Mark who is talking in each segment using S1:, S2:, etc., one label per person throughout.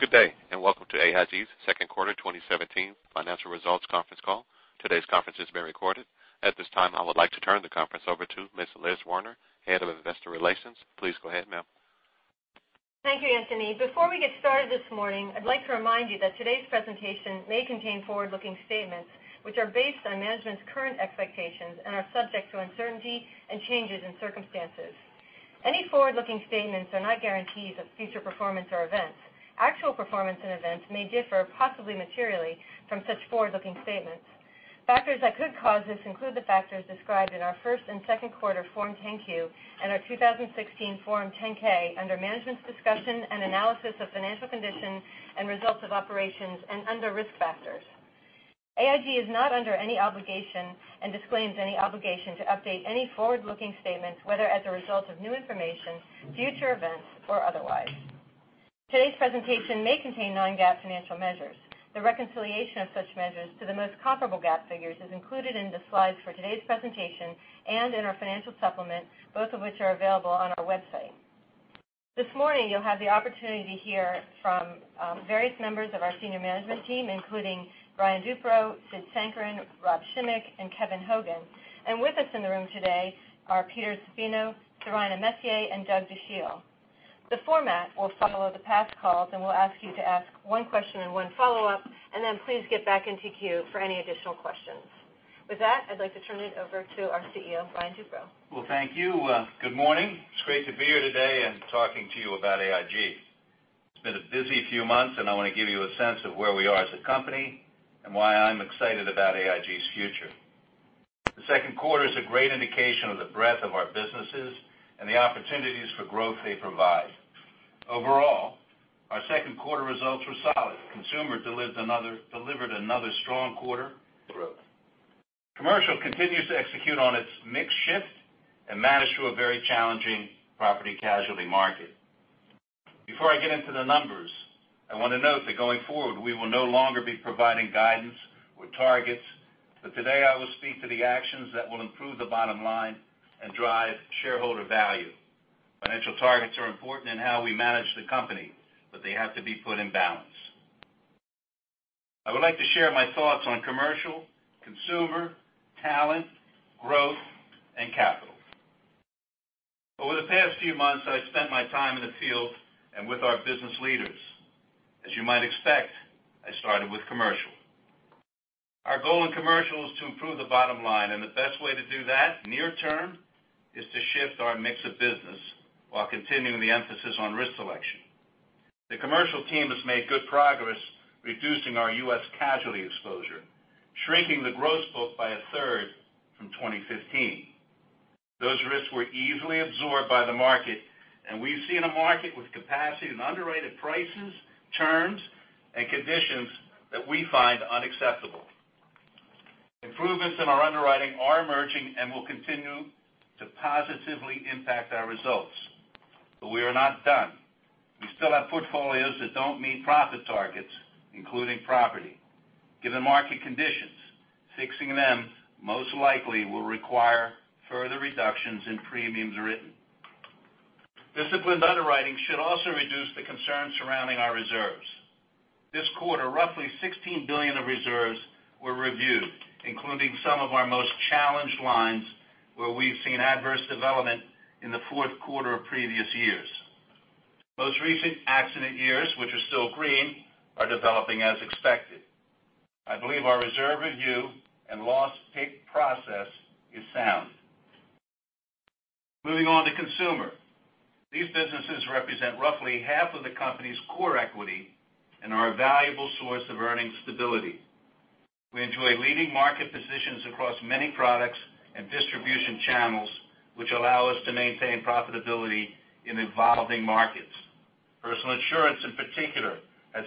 S1: Good day, welcome to AIG's second quarter 2017 financial results conference call. Today's conference is being recorded. At this time, I would like to turn the conference over to Ms. Liz Werner, Head of Investor Relations. Please go ahead, ma'am.
S2: Thank you, Anthony. Before we get started this morning, I'd like to remind you that today's presentation may contain forward-looking statements, which are based on management's current expectations and are subject to uncertainty and changes in circumstances. Any forward-looking statements are not guarantees of future performance or events. Actual performance and events may differ, possibly materially, from such forward-looking statements. Factors that could cause this include the factors described in our first and second quarter Form 10-Q and our 2016 Form 10-K under Management's Discussion and Analysis of Financial Condition and Results of Operations and under Risk Factors. AIG is not under any obligation and disclaims any obligation to update any forward-looking statements, whether as a result of new information, future events, or otherwise. Today's presentation may contain non-GAAP financial measures. The reconciliation of such measures to the most comparable GAAP figures is included in the slides for today's presentation and in our financial supplement, both of which are available on our website. This morning, you'll have the opportunity to hear from various members of our senior management team, including Brian Duperrault, Sid Sankaran, Rob Schimek, and Kevin Hogan. With us in the room today are Peter Zaffino, Seraina Macia, and Doug Dachille. The format will follow the past calls, we'll ask you to ask one question and one follow-up, then please get back in queue for any additional questions. With that, I'd like to turn it over to our CEO, Brian Duperrault.
S3: Well, thank you. Good morning. It's great to be here today talking to you about AIG. It's been a busy few months, I want to give you a sense of where we are as a company and why I'm excited about AIG's future. The second quarter is a great indication of the breadth of our businesses and the opportunities for growth they provide. Overall, our second quarter results were solid. Consumer delivered another strong quarter of growth. Commercial continues to execute on its mix shift and manage through a very challenging property casualty market. Before I get into the numbers, I want to note that going forward, we will no longer be providing guidance with targets, today I will speak to the actions that will improve the bottom line and drive shareholder value. Financial targets are important in how we manage the company, but they have to be put in balance. I would like to share my thoughts on commercial, consumer, talent, growth, and capital. Over the past few months, I've spent my time in the field and with our business leaders. As you might expect, I started with commercial. Our goal in commercial is to improve the bottom line, and the best way to do that near term is to shift our mix of business while continuing the emphasis on risk selection. The commercial team has made good progress reducing our U.S. casualty exposure, shrinking the gross book by a third from 2015. Those risks were easily absorbed by the market, and we've seen a market with capacity and underrated prices, terms, and conditions that we find unacceptable. Improvements in our underwriting are emerging and will continue to positively impact our results. We are not done. We still have portfolios that don't meet profit targets, including property. Given market conditions, fixing them most likely will require further reductions in premiums written. Disciplined underwriting should also reduce the concerns surrounding our reserves. This quarter, roughly $16 billion of reserves were reviewed, including some of our most challenged lines where we've seen adverse development in the fourth quarter of previous years. Most recent accident years, which are still green, are developing as expected. I believe our reserve review and loss pick process is sound. Moving on to consumer. These businesses represent roughly half of the company's core equity and are a valuable source of earnings stability. We enjoy leading market positions across many products and distribution channels, which allow us to maintain profitability in evolving markets. Personal insurance, in particular, has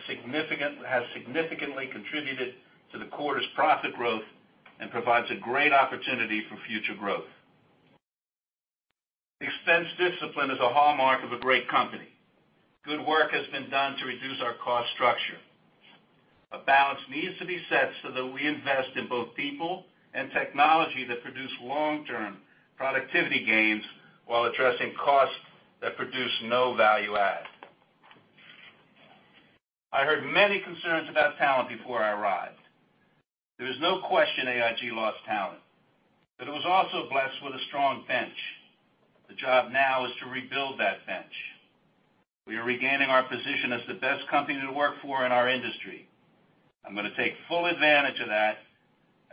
S3: significantly contributed to the quarter's profit growth and provides a great opportunity for future growth. Expense discipline is a hallmark of a great company. Good work has been done to reduce our cost structure. A balance needs to be set so that we invest in both people and technology that produce long-term productivity gains while addressing costs that produce no value add. I heard many concerns about talent before I arrived. There is no question AIG lost talent, but it was also blessed with a strong bench. The job now is to rebuild that bench. We are regaining our position as the best company to work for in our industry. I'm going to take full advantage of that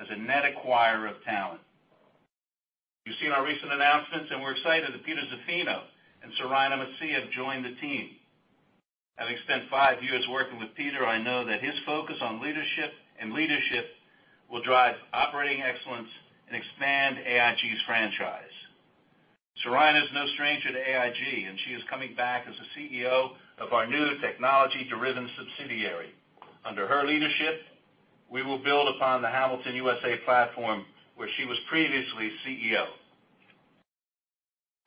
S3: as a net acquirer of talent. You've seen our recent announcements, and we're excited that Peter Zaffino and Seraina Macia have joined the team. Having spent five years working with Peter, I know that his focus on leadership will drive operating excellence and expand AIG's franchise. Seraina is no stranger to AIG, and she is coming back as the CEO of our new technology-driven subsidiary. Under her leadership, we will build upon the Hamilton USA platform, where she was previously CEO.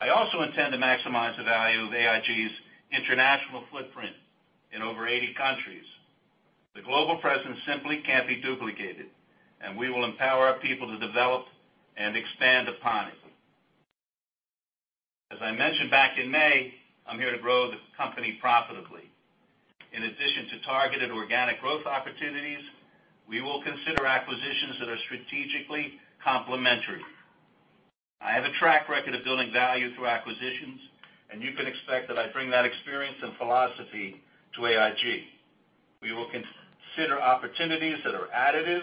S3: I also intend to maximize the value of AIG's international footprint in over 80 countries. The global presence simply can't be duplicated, and we will empower our people to develop and expand upon it. As I mentioned back in May, I'm here to grow the company profitably. In addition to targeted organic growth opportunities, we will consider acquisitions that are strategically complementary. I have a track record of building value through acquisitions, and you can expect that I bring that experience and philosophy to AIG. We will consider opportunities that are additive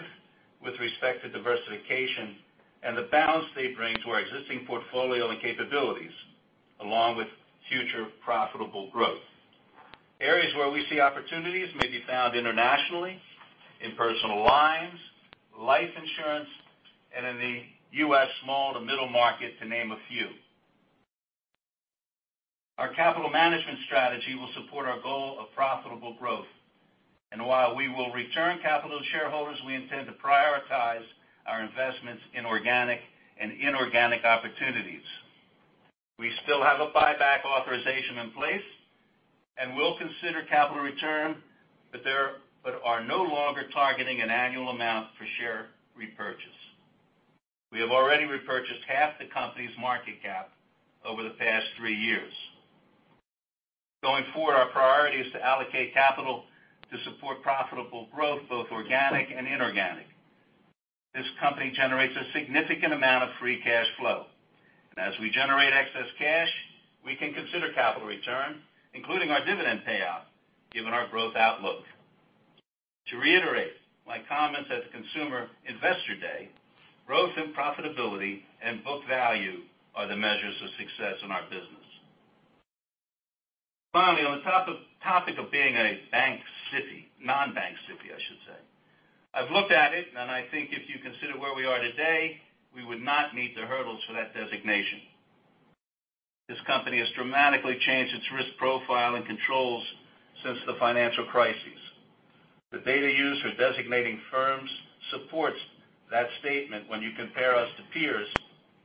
S3: with respect to diversification and the balance they bring to our existing portfolio and capabilities, along with future profitable growth. Areas where we see opportunities may be found internationally, in personal lines, life insurance, and in the U.S. small to middle market, to name a few. Our capital management strategy will support our goal of profitable growth. While we will return capital to shareholders, we intend to prioritize our investments in organic and inorganic opportunities. We still have a buyback authorization in place and will consider capital return, but are no longer targeting an annual amount per share repurchase. We have already repurchased half the company's market cap over the past three years. Going forward, our priority is to allocate capital to support profitable growth, both organic and inorganic. This company generates a significant amount of free cash flow. As we generate excess cash, we can consider capital return, including our dividend payout, given our growth outlook. To reiterate my comments at the Consumer Investor Day, growth and profitability and book value are the measures of success in our business. Finally, on the topic of being a bank SIFI, non-bank SIFI, I should say, I've looked at it, and I think if you consider where we are today, we would not meet the hurdles for that designation. This company has dramatically changed its risk profile and controls since the financial crisis. The data used for designating firms supports that statement when you compare us to peers,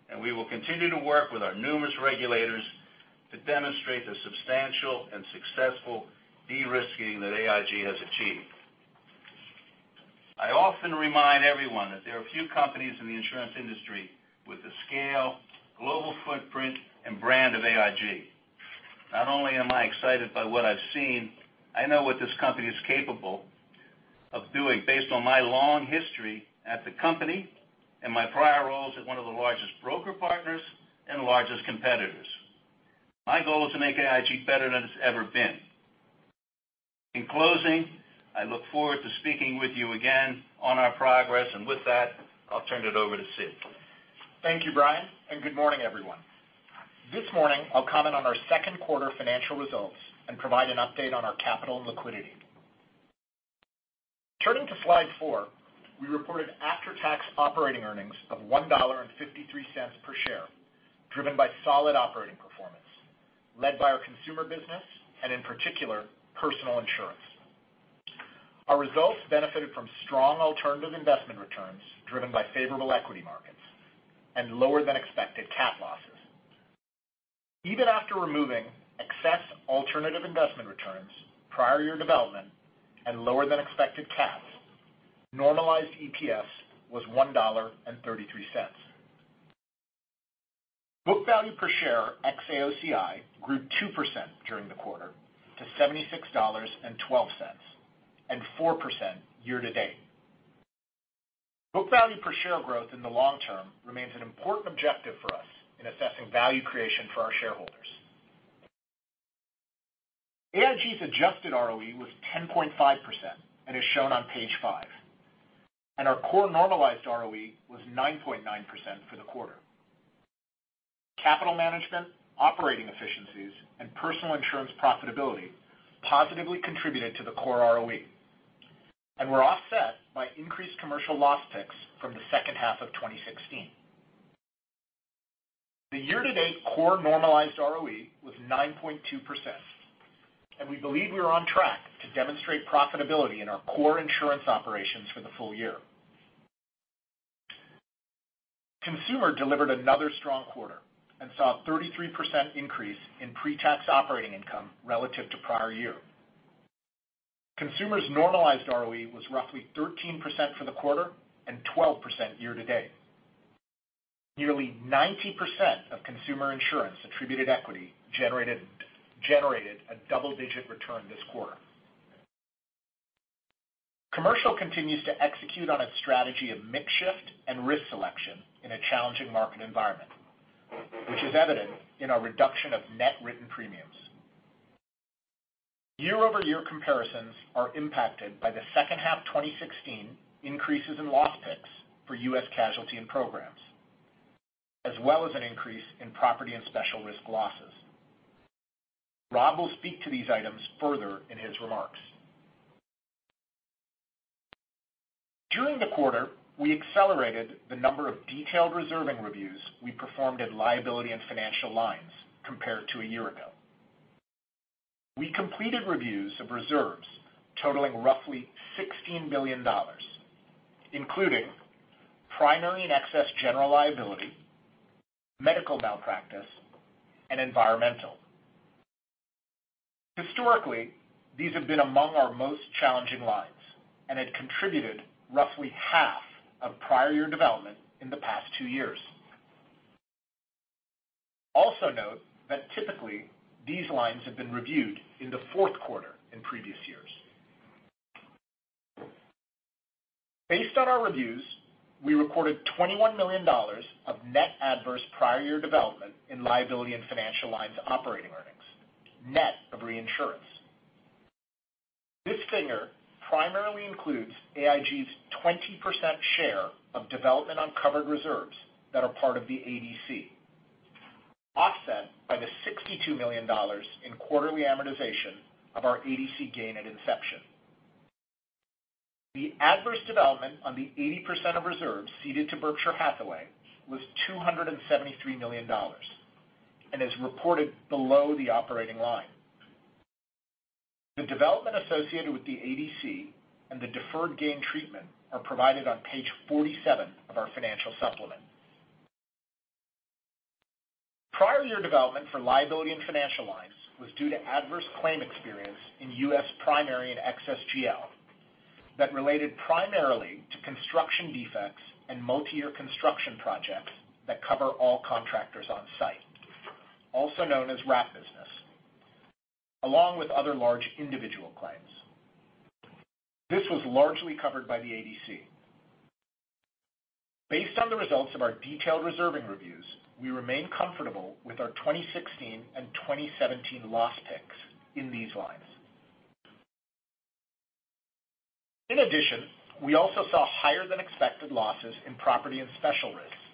S3: and we will continue to work with our numerous regulators to demonstrate the substantial and successful de-risking that AIG has achieved. I often remind everyone that there are few companies in the insurance industry with the scale, global footprint, and brand of AIG. Not only am I excited by what I've seen, I know what this company is capable of doing based on my long history at the company and my prior roles at one of the largest broker partners and largest competitors. My goal is to make AIG better than it's ever been. In closing, I look forward to speaking with you again on our progress. With that, I'll turn it over to Sid.
S4: Thank you, Brian, and good morning, everyone. This morning I'll comment on our second quarter financial results and provide an update on our capital and liquidity. Turning to slide four, we reported after-tax operating earnings of $1.53 per share, driven by solid operating performance led by our consumer business and in particular, personal insurance. Our results benefited from strong alternative investment returns driven by favorable equity markets and lower than expected cat losses. Even after removing excess alternative investment returns, prior year development, and lower than expected cats, normalized EPS was $1.33. Book value per share ex-AOCI grew 2% during the quarter to $76.12 and 4% year to date. Book value per share growth in the long term remains an important objective for us in assessing value creation for our shareholders. AIG's adjusted ROE was 10.5% and is shown on page five. Our core normalized ROE was 9.9% for the quarter. Capital management, operating efficiencies, and personal insurance profitability positively contributed to the core ROE and were offset by increased commercial loss picks from the second half of 2016. The year-to-date core normalized ROE was 9.2%, and we believe we are on track to demonstrate profitability in our core insurance operations for the full year. Consumer delivered another strong quarter and saw a 33% increase in pre-tax operating income relative to prior year. Consumer's normalized ROE was roughly 13% for the quarter and 12% year-to-date. Nearly 90% of consumer insurance attributed equity generated a double-digit return this quarter. Commercial continues to execute on its strategy of mix shift and risk selection in a challenging market environment, which is evident in our reduction of net written premiums. Year-over-year comparisons are impacted by the second half 2016 increases in loss picks for U.S. casualty and programs, as well as an increase in property and special risk losses. Rob will speak to these items further in his remarks. During the quarter, we accelerated the number of detailed reserving reviews we performed at liability and financial lines compared to a year ago. We completed reviews of reserves totaling roughly $16 billion, including primary and excess general liability, medical malpractice, and environmental. Historically, these have been among our most challenging lines and had contributed roughly half of prior year development in the past two years. Also note that typically these lines have been reviewed in the fourth quarter in previous years. Based on our reviews, we recorded $21 million of net adverse prior year development in liability and financial lines operating earnings, net of reinsurance. This figure primarily includes AIG's 20% share of development on covered reserves that are part of the ADC, offset by the $62 million in quarterly amortization of our ADC gain at inception. The adverse development on the 80% of reserves ceded to Berkshire Hathaway was $273 million and is reported below the operating line. The development associated with the ADC and the deferred gain treatment are provided on page 47 of our financial supplement. Prior year development for liability and financial lines was due to adverse claim experience in U.S. primary and excess GL that related primarily to construction defects and multi-year construction projects that cover all contractors on site, also known as wrap business, along with other large individual claims. This was largely covered by the ADC. Based on the results of our detailed reserving reviews, we remain comfortable with our 2016 and 2017 loss picks in these lines. We also saw higher than expected losses in property and special risks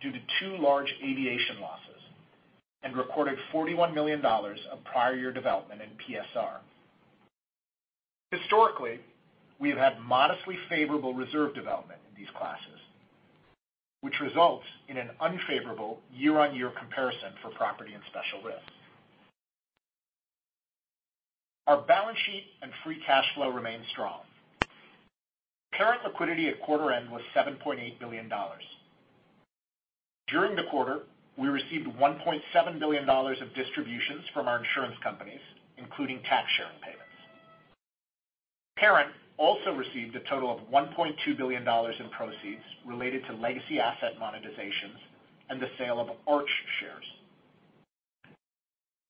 S4: due to two large aviation losses and recorded $41 million of prior year development in PSR. Historically, we have had modestly favorable reserve development in these classes, which results in an unfavorable year-on-year comparison for property and special risk. Our balance sheet and free cash flow remain strong. Parent liquidity at quarter end was $7.8 billion. During the quarter, we received $1.7 billion of distributions from our insurance companies, including tax sharing payments. Parent also received a total of $1.2 billion in proceeds related to legacy asset monetizations and the sale of Arch shares.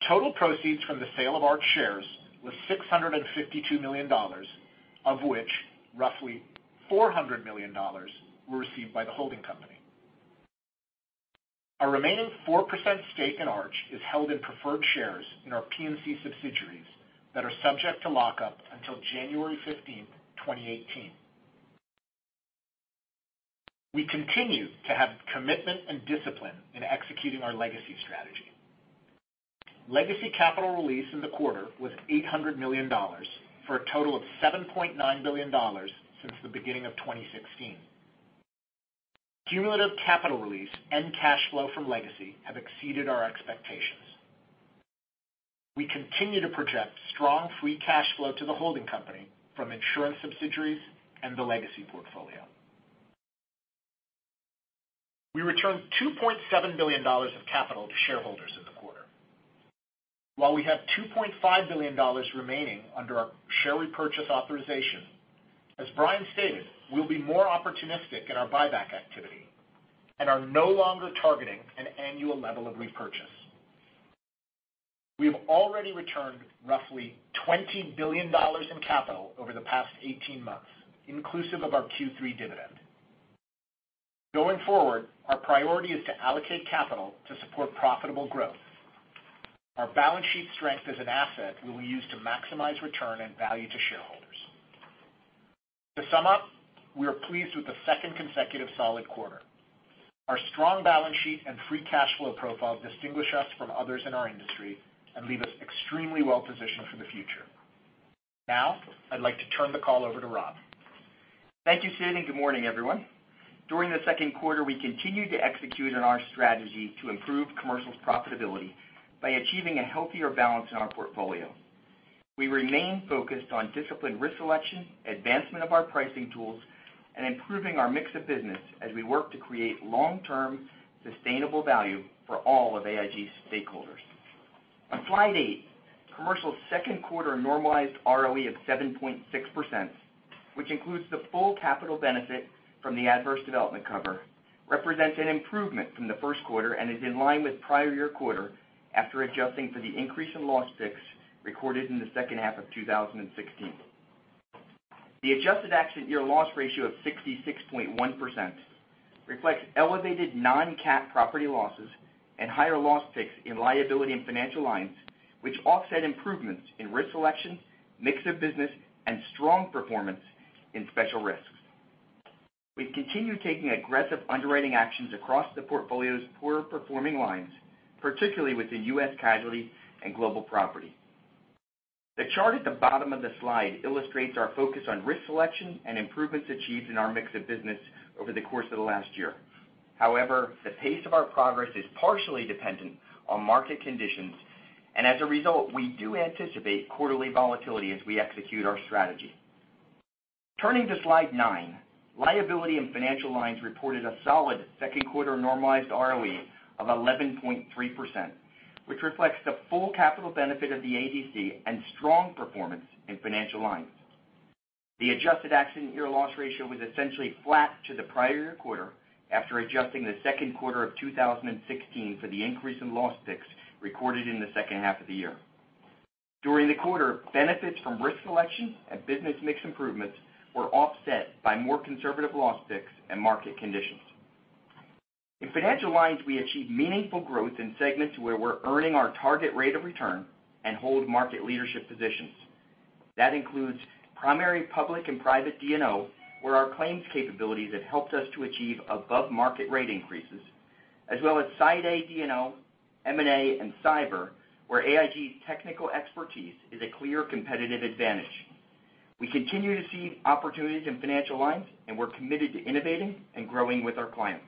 S4: Total proceeds from the sale of Arch shares was $652 million, of which roughly $400 million were received by the holding company. Our remaining 4% stake in Arch is held in preferred shares in our P&C subsidiaries that are subject to lockup until January 15th, 2018. We continue to have commitment and discipline in executing our legacy strategy. Legacy capital release in the quarter was $800 million, for a total of $7.9 billion since the beginning of 2016. Cumulative capital release and cash flow from legacy have exceeded our expectations. We continue to project strong free cash flow to the holding company from insurance subsidiaries and the legacy portfolio. We returned $2.7 billion of capital to shareholders in the quarter. While we have $2.5 billion remaining under our share repurchase authorization, as Brian stated, we'll be more opportunistic in our buyback activity and are no longer targeting an annual level of repurchase. We have already returned roughly $20 billion in capital over the past 18 months, inclusive of our Q3 dividend. Going forward, our priority is to allocate capital to support profitable growth. Our balance sheet strength as an asset we will use to maximize return and value to shareholders. To sum up, we are pleased with the second consecutive solid quarter. Our strong balance sheet and free cash flow profile distinguish us from others in our industry and leave us extremely well positioned for the future. Now, I'd like to turn the call over to Rob.
S5: Thank you, Sid, and good morning, everyone. During the second quarter, we continued to execute on our strategy to improve Commercial's profitability by achieving a healthier balance in our portfolio. We remain focused on disciplined risk selection, advancement of our pricing tools, and improving our mix of business as we work to create long-term sustainable value for all of AIG's stakeholders. On slide eight, Commercial's second quarter normalized ROE of 7.6%, which includes the full capital benefit from the adverse development cover, represents an improvement from the first quarter and is in line with prior year quarter after adjusting for the increase in loss picks recorded in the second half of 2016. The adjusted accident year loss ratio of 66.1% reflects elevated non-cat property losses and higher loss picks in liability and financial lines, which offset improvements in risk selection, mix of business, and strong performance in special risks. We've continued taking aggressive underwriting actions across the portfolio's poor-performing lines, particularly within U.S. casualty and global property. The chart at the bottom of the slide illustrates our focus on risk selection and improvements achieved in our mix of business over the course of the last year. However, the pace of our progress is partially dependent on market conditions, and as a result, we do anticipate quarterly volatility as we execute our strategy. Turning to slide nine, liability and financial lines reported a solid second quarter normalized ROE of 11.3%, which reflects the full capital benefit of the ADC and strong performance in financial lines. The adjusted accident year loss ratio was essentially flat to the prior year quarter after adjusting the second quarter of 2016 for the increase in loss picks recorded in the second half of the year. During the quarter, benefits from risk selection and business mix improvements were offset by more conservative loss picks and market conditions. In financial lines, we achieved meaningful growth in segments where we're earning our target rate of return and hold market leadership positions. That includes primary, public, and private D&O, where our claims capabilities have helped us to achieve above-market rate increases, as well as Side A D&O, M&A, and cyber, where AIG's technical expertise is a clear competitive advantage. We continue to see opportunities in financial lines, and we're committed to innovating and growing with our clients.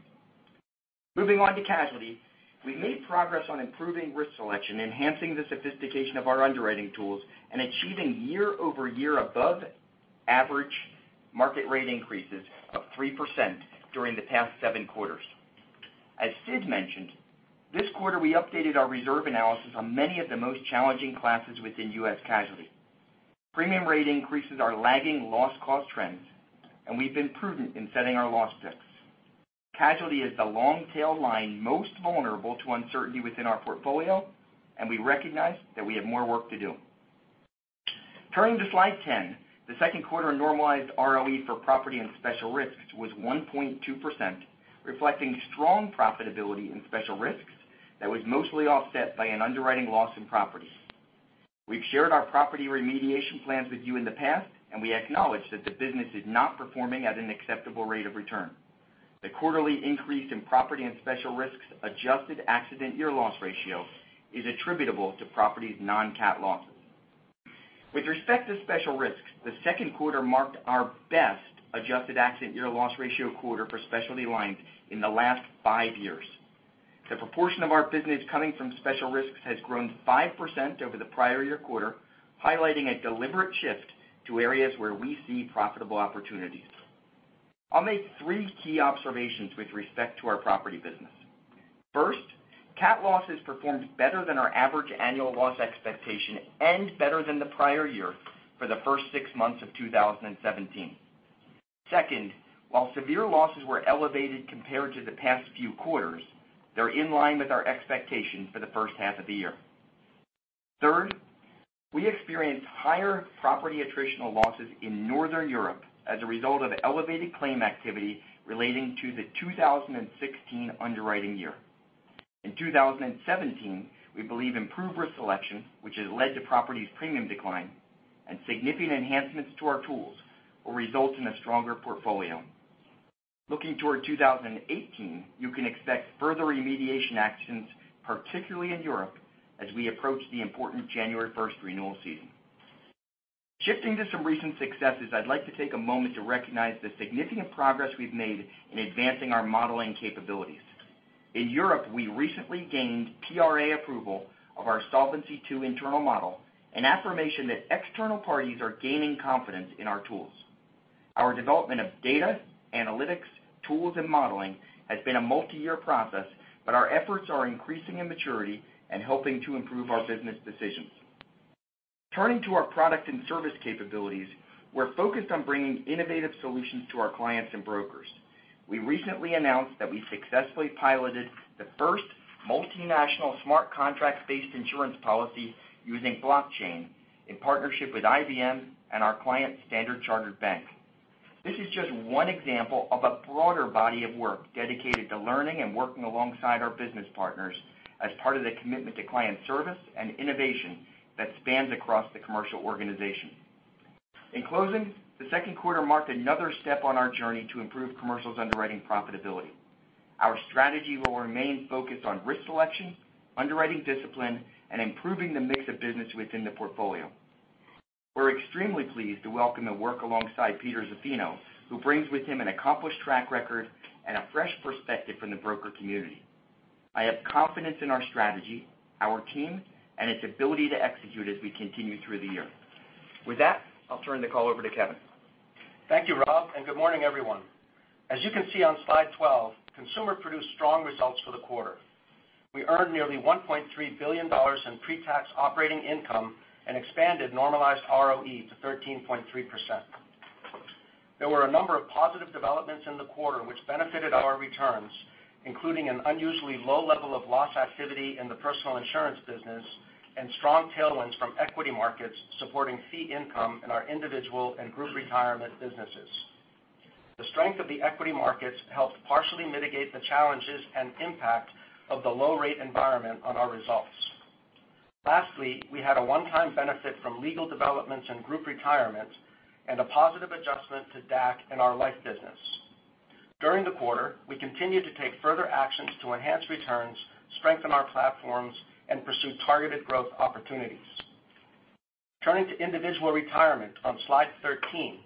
S5: Moving on to casualty, we made progress on improving risk selection, enhancing the sophistication of our underwriting tools, and achieving year-over-year above-average market rate increases of 3% during the past seven quarters. As Sid mentioned, this quarter we updated our reserve analysis on many of the most challenging classes within U.S. casualty. Premium rate increases are lagging loss cost trends. We've been prudent in setting our loss picks. Casualty is the long-tail line most vulnerable to uncertainty within our portfolio. We recognize that we have more work to do. Turning to slide 10, the second quarter normalized ROE for property and special risks was 1.2%, reflecting strong profitability in special risks that was mostly offset by an underwriting loss in property. We've shared our property remediation plans with you in the past, and we acknowledge that the business is not performing at an acceptable rate of return. The quarterly increase in property and special risks adjusted accident year loss ratio is attributable to property's non-cat losses. With respect to special risks, the second quarter marked our best adjusted accident year loss ratio quarter for specialty lines in the last five years. The proportion of our business coming from special risks has grown 5% over the prior year quarter, highlighting a deliberate shift to areas where we see profitable opportunities. I'll make three key observations with respect to our property business. First, cat losses performed better than our average annual loss expectation and better than the prior year for the first six months of 2017. Second, while severe losses were elevated compared to the past few quarters, they're in line with our expectations for the first half of the year. Third, we experienced higher property attritional losses in Northern Europe as a result of elevated claim activity relating to the 2016 underwriting year. In 2017, we believe improved risk selection, which has led to property's premium decline and significant enhancements to our tools, will result in a stronger portfolio. Looking toward 2018, you can expect further remediation actions, particularly in Europe, as we approach the important January 1st renewal season. Shifting to some recent successes, I'd like to take a moment to recognize the significant progress we've made in advancing our modeling capabilities. In Europe, we recently gained PRA approval of our Solvency II internal model, an affirmation that external parties are gaining confidence in our tools. Our development of data, analytics, tools, and modeling has been a multi-year process. Our efforts are increasing in maturity and helping to improve our business decisions. Turning to our product and service capabilities, we're focused on bringing innovative solutions to our clients and brokers. We recently announced that we successfully piloted the first multinational smart contract-based insurance policy using blockchain in partnership with IBM and our client, Standard Chartered Bank. This is just one example of a broader body of work dedicated to learning and working alongside our business partners as part of the commitment to client service and innovation that spans across the Commercial organization. In closing, the second quarter marked another step on our journey to improve Commercial's underwriting profitability. Our strategy will remain focused on risk selection, underwriting discipline, and improving the mix of business within the portfolio. We are extremely pleased to welcome the work alongside Peter Zaffino, who brings with him an accomplished track record and a fresh perspective from the broker community. I have confidence in our strategy, our team, and its ability to execute as we continue through the year. With that, I will turn the call over to Kevin.
S6: Thank you, Rob, and good morning, everyone. As you can see on slide 12, Consumer produced strong results for the quarter. We earned nearly $1.3 billion in pre-tax operating income and expanded normalized ROE to 13.3%. There were a number of positive developments in the quarter which benefited our returns, including an unusually low level of loss activity in the personal insurance business and strong tailwinds from equity markets supporting fee income in our individual and group retirement businesses. The strength of the equity markets helped partially mitigate the challenges and impact of the low-rate environment on our results. Lastly, we had a one-time benefit from legal developments in group retirement and a positive adjustment to DAC in our life business. During the quarter, we continued to take further actions to enhance returns, strengthen our platforms, and pursue targeted growth opportunities. Turning to individual retirement on slide 13,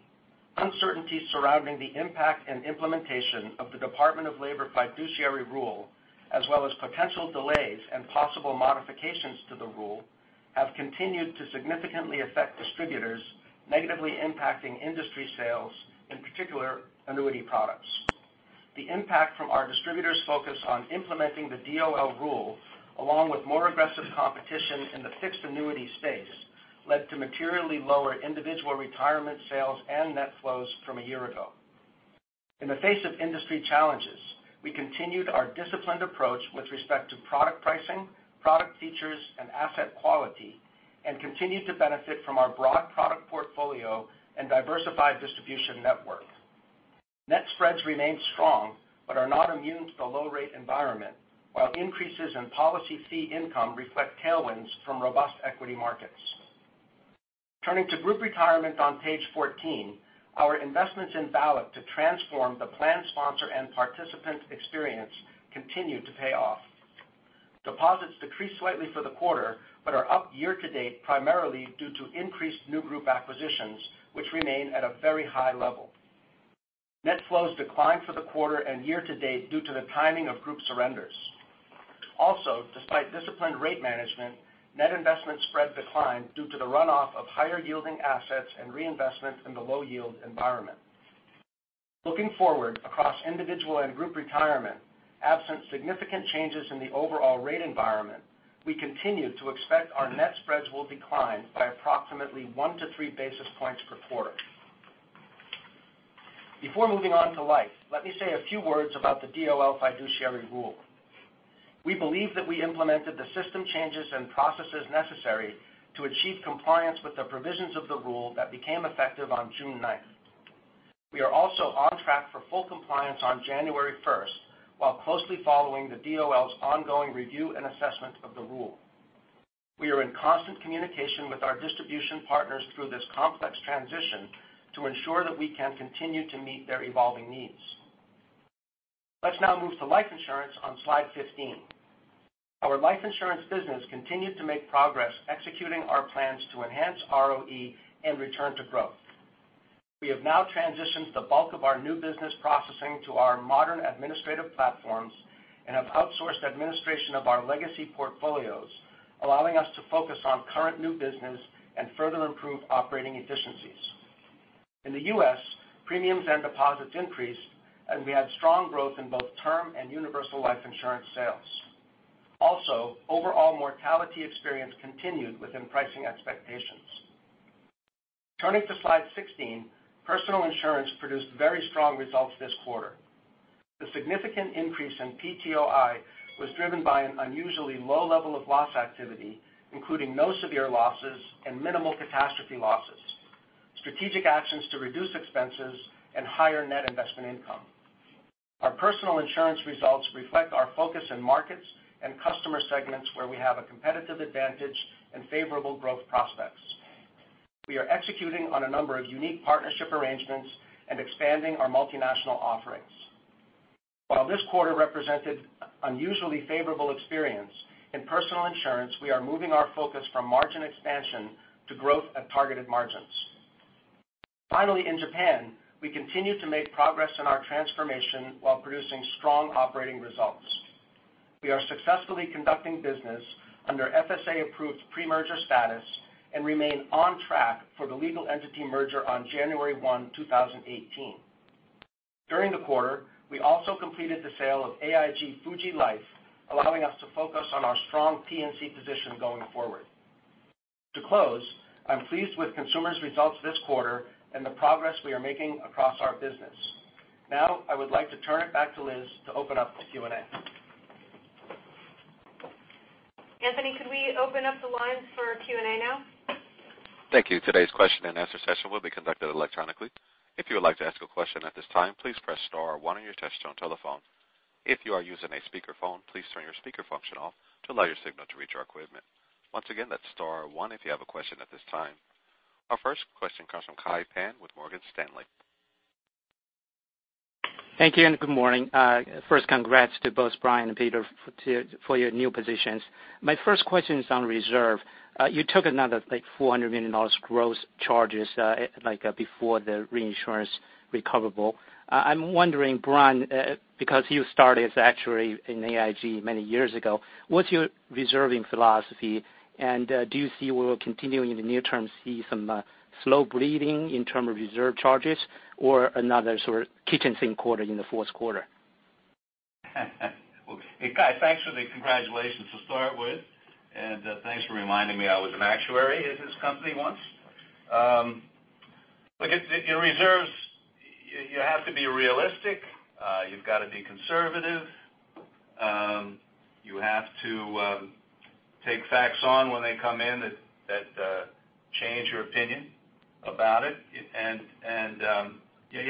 S6: surrounding the impact and implementation of the Department of Labor Fiduciary Rule, as well as potential delays and possible modifications to the rule, have continued to significantly affect distributors, negatively impacting industry sales, in particular, annuity products. The impact from our distributors' focus on implementing the DOL Fiduciary Rule, along with more aggressive competition in the fixed annuity space, led to materially lower individual retirement sales and net flows from a year ago. In the face of industry challenges, we continued our disciplined approach with respect to product pricing, product features, and asset quality, and continued to benefit from our broad product portfolio and diversified distribution network. Net spreads remained strong but are not immune to the low-rate environment, while increases in policy fee income reflect tailwinds from robust equity markets. Turning to group retirement on page 14, our investments in Valic to transform the plan sponsor and participant experience continue to pay off. Deposits decreased slightly for the quarter but are up year-to-date, primarily due to increased new group acquisitions, which remain at a very high level. Net flows declined for the quarter and year-to-date due to the timing of group surrenders. Despite disciplined rate management, net investment spread declined due to the runoff of higher-yielding assets and reinvestment in the low-yield environment. Looking forward across individual and group retirement, absent significant changes in the overall rate environment, we continue to expect our net spreads will decline by approximately 1 to 3 basis points per quarter. Before moving on to life, let me say a few words about the DOL Fiduciary Rule. We believe that we implemented the system changes and processes necessary to achieve compliance with the provisions of the rule that became effective on June 9th. We are also on track for full compliance on January 1st, while closely following the DOL's ongoing review and assessment of the rule. We are in constant communication with our distribution partners through this complex transition to ensure that we can continue to meet their evolving needs. Let's now move to life insurance on slide 15. Our life insurance business continued to make progress executing our plans to enhance ROE and return to growth. We have now transitioned the bulk of our new business processing to our modern administrative platforms and have outsourced administration of our legacy portfolios, allowing us to focus on current new business and further improve operating efficiencies. In the U.S., premiums and deposits increased. We had strong growth in both term and universal life insurance sales. Overall mortality experience continued within pricing expectations. Turning to slide 16, personal insurance produced very strong results this quarter. The significant increase in PTOI was driven by an unusually low level of loss activity, including no severe losses and minimal catastrophe losses, strategic actions to reduce expenses, and higher net investment income. Our personal insurance results reflect our focus in markets and customer segments where we have a competitive advantage and favorable growth prospects. We are executing on a number of unique partnership arrangements and expanding our multinational offerings. While this quarter represented unusually favorable experience, in personal insurance, we are moving our focus from margin expansion to growth at targeted margins. Finally, in Japan, we continue to make progress in our transformation while producing strong operating results. We are successfully conducting business under FSA-approved pre-merger status and remain on track for the legal entity merger on January 1, 2018. During the quarter, we also completed the sale of AIG Fuji Life, allowing us to focus on our strong P&C position going forward. To close, I'm pleased with Consumers' results this quarter and the progress we are making across our business. Now, I would like to turn it back to Liz to open up to Q&A.
S2: Anthony, could we open up the lines for Q&A now?
S1: Thank you. Today's question and answer session will be conducted electronically. If you would like to ask a question at this time, please press star or one on your touchtone telephone. If you are using a speakerphone, please turn your speaker function off to allow your signal to reach our equipment. Once again, that's star one if you have a question at this time. Our first question comes from Kai Pan with Morgan Stanley.
S7: Thank you. Good morning. First, congrats to both Brian and Peter for your new positions. My first question is on reserve. You took another $400 million gross charges before the reinsurance recoverable. I'm wondering, Brian, because you started as actuary in AIG many years ago, what's your reserving philosophy? Do you see we will continue in the near term see some slow bleeding in term of reserve charges or another sort of kitchen sink quarter in the fourth quarter?
S3: Well, hey, Kai, thanks for the congratulations to start with, and thanks for reminding me I was an actuary at this company once. Look, your reserves, you have to be realistic. You've got to be conservative. You have to take facts on when they come in that change your opinion about it. You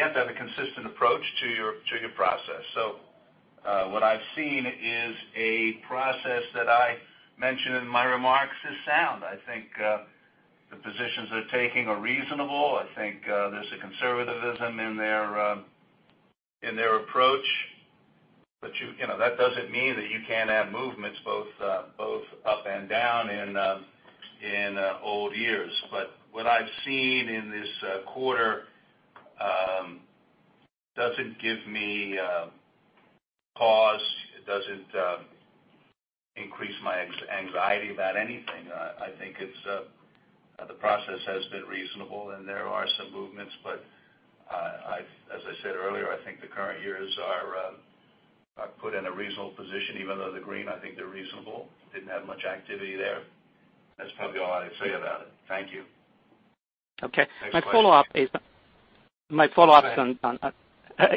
S3: have to have a consistent approach to your process. What I've seen is a process that I mentioned in my remarks as sound. I think the positions they're taking are reasonable. I think there's a conservatism in their approach That doesn't mean that you can't have movements both up and down in old years. What I've seen in this quarter doesn't give me pause. It doesn't increase my anxiety about anything. I think the process has been reasonable, and there are some movements, but as I said earlier, I think the current years are put in a reasonable position, even though they're green, I think they're reasonable. Didn't have much activity there. That's probably all I need to say about it. Thank you.
S7: Okay. My follow-up is-
S3: Go ahead.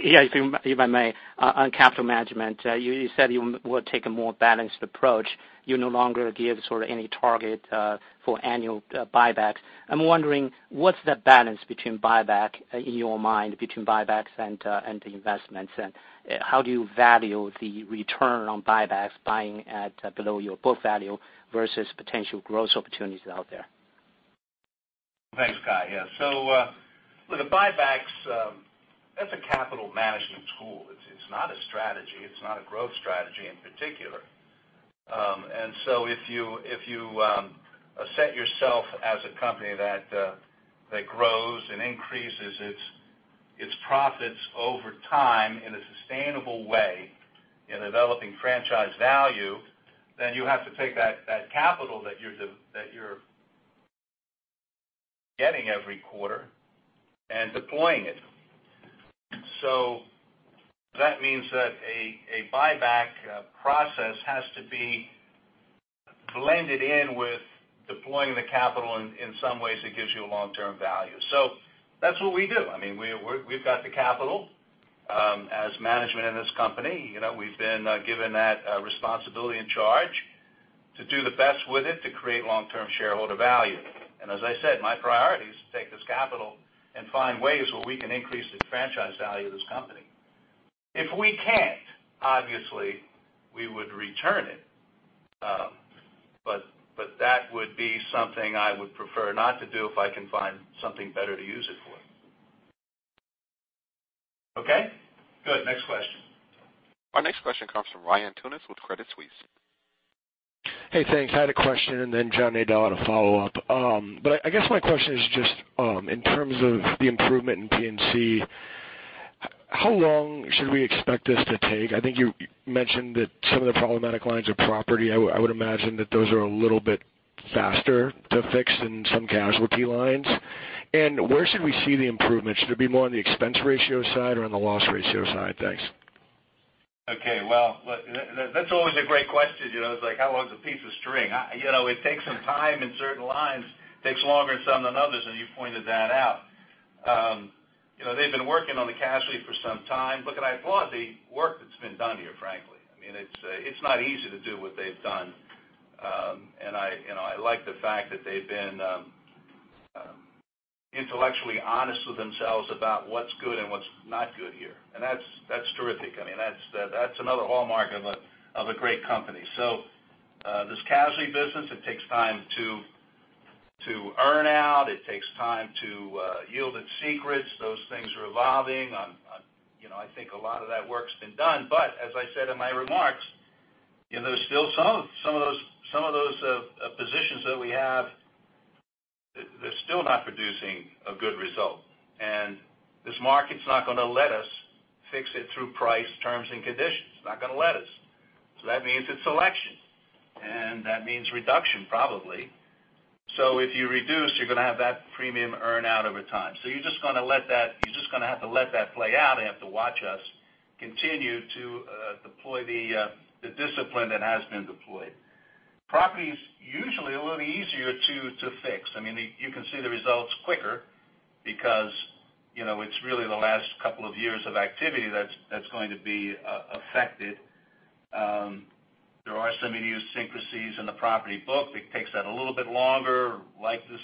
S7: Yeah, if I may, on capital management. You said you would take a more balanced approach. You no longer give sort of any target for annual buybacks. I'm wondering, what's that balance between buyback, in your mind, between buybacks and the investments, and how do you value the return on buybacks, buying at below your book value versus potential growth opportunities out there?
S3: Thanks, Kai. Yeah. With the buybacks, that's a capital management tool. It's not a strategy. It's not a growth strategy in particular. If you set yourself as a company that grows and increases its profits over time in a sustainable way in developing franchise value, you have to take that capital that you're getting every quarter and deploying it. That means that a buyback process has to be blended in with deploying the capital in some ways that gives you long-term value. That's what we do. We've got the capital as management in this company. We've been given that responsibility and charge to do the best with it to create long-term shareholder value. As I said, my priority is to take this capital and find ways where we can increase the franchise value of this company. If we can't, obviously, we would return it. That would be something I would prefer not to do if I can find something better to use it for. Okay? Good. Next question.
S1: Our next question comes from Ryan Tunis with Credit Suisse.
S8: Hey, thanks. I had a question, then John Nadel had a follow-up. I guess my question is just in terms of the improvement in P&C, how long should we expect this to take? I think you mentioned that some of the problematic lines of property, I would imagine that those are a little bit faster to fix than some casualty lines. Where should we see the improvement? Should it be more on the expense ratio side or on the loss ratio side? Thanks.
S3: Okay. Well, that's always a great question. It's like, how long is a piece of string? It takes some time in certain lines. Takes longer in some than others, you pointed that out. They've been working on the casualty for some time. Look, I applaud the work that's been done here, frankly. It's not easy to do what they've done. I like the fact that they've been intellectually honest with themselves about what's good and what's not good here. That's terrific. That's another hallmark of a great company. This casualty business, it takes time to earn out. It takes time to yield its secrets. Those things are evolving. I think a lot of that work's been done. As I said in my remarks, there's still some of those positions that we have, they're still not producing a good result, and this market's not going to let us fix it through price, terms, and conditions. It's not going to let us. That means it's selection, and that means reduction, probably. If you reduce, you're going to have that premium earn out over time. You're just going to have to let that play out and have to watch us continue to deploy the discipline that has been deployed. Property's usually a little easier to fix. You can see the results quicker because it's really the last couple of years of activity that's going to be affected. There are some idiosyncrasies in the property book. It takes that a little bit longer, like this